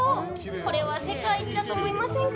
これは世界一だと思いませんか？